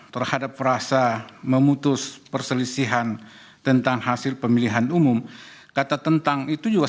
terhadap frasa memutus perselisihan tentang hasil pemilihan umum kata tentang itu juga